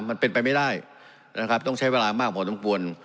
มันเป็นไปไม่ได้นะครับต้องใช้เวลามากพอสมควร